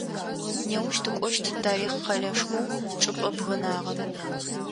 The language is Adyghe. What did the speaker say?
Неущ тыкӏощт тарихъ къэлэшхоу чӏыпӏэ бгынагъэм.